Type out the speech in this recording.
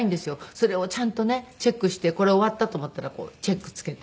それをちゃんとねチェックしてこれ終わったと思ったらチェックつけて。